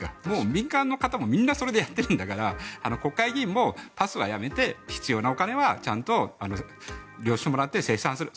民間の方もみんなそれでやっているんだから、国会議員もパスはやめて必要なお金はちゃんと領収書をもらって精算する。